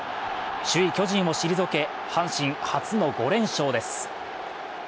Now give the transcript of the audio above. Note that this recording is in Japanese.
首位・巨人を退け、阪神、初の５連勝です。